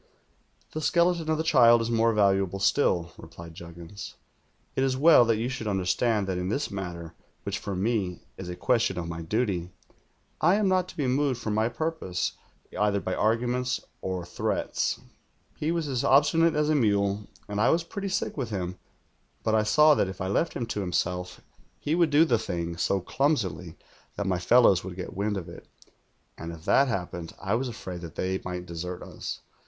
"'The skeleton of the child is more valuable still,' replied Juggins. 'It is well that you should under stand that in this matter — which for me is a question of my duty — I am not to be moved from my purpose v'ither by arguments or threats.' "He was as obstinate as a mule, and I was pretty sick with him; but I saw that if I left him to himself ho would do the thing so chimsily that my fellows would get wind of it, and if that happened I was afraid that they might desert us.